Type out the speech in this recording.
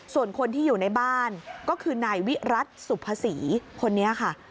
ส่วนคนที่อยู่ในบ้านก็คือนายวิรัติสุภาษีคนนี้ค่ะ